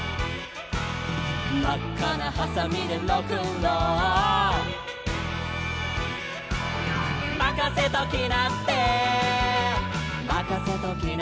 「まっかなはさみでロックンロール」「まかせときなってまかせときなって」